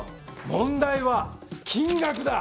問題は金額だ！